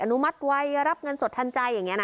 ออนุมัติไว้รับเงินสดทันใจอย่างเงี้ยนะ